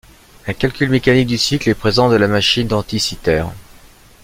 Un calcul mécanique du cycle est présent dans la machine d'Anticythère.